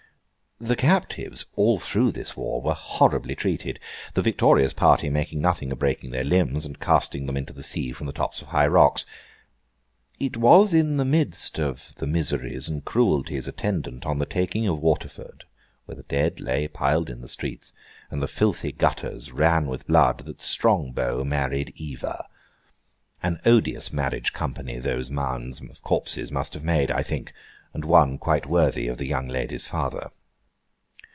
The captives, all through this war, were horribly treated; the victorious party making nothing of breaking their limbs, and casting them into the sea from the tops of high rocks. It was in the midst of the miseries and cruelties attendant on the taking of Waterford, where the dead lay piled in the streets, and the filthy gutters ran with blood, that Strongbow married Eva. An odious marriage company those mounds of corpses must have made, I think, and one quite worthy of the young lady's father.